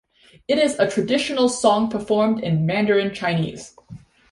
It is a traditional song performed in Mandarin Chinese.